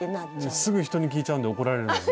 すぐ人に聞いちゃうんで怒られるんですよ